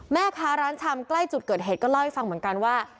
แม่ค้าร้านชำใกล้จุดเกิดเหตุก็เล่าให้ฟังเหมือนกันว่า